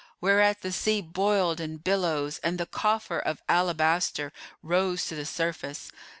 Whereat the sea boiled in billows and the coffer of alabaster rose to the surface.